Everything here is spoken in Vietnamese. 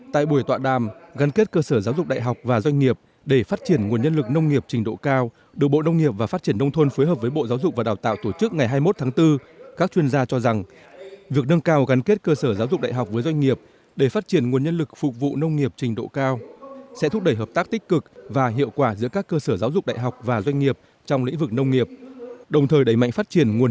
tại buổi tọa đàm gắn kết cơ sở giáo dục đại học và doanh nghiệp để phát triển nguồn nhân lực nông nghiệp trình độ cao được bộ nông nghiệp và phát triển nông thôn phối hợp với bộ giáo dục và đào tạo tổ chức ngày hai mươi một tháng bốn các chuyên gia cho rằng việc nâng cao gắn kết cơ sở giáo dục đại học với doanh nghiệp để phát triển nguồn nhân lực phục vụ nông nghiệp trình độ cao sẽ thúc đẩy hợp tác tích cực và hiệu quả giữa các cơ sở giáo dục đại học và doanh nghiệp trong lĩnh vực nông nghiệp đồng thời đẩy mạnh phát triển ngu